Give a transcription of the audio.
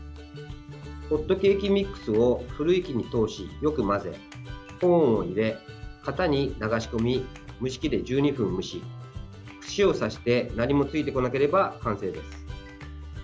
ホットケーキミックスをふるい器に通し、よく混ぜコーンを入れ、型に流し込み蒸し器で１２分蒸し串を刺して何もついてこなければ完成です。